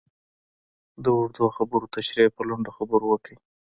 د اوږدو خبرو تشرېح په لنډو خبرو وکړئ.